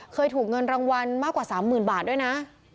เคยถูกเงินรางวัลมากกว่า๓๐๐๐บาทด้วยนะ